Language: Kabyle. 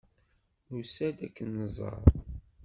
Nusa-d ad ken-nẓer.